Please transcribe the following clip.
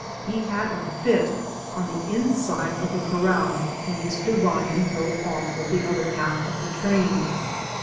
He had a fit on the inside of the corral when Mr. Ryan drove off with the other half of the train.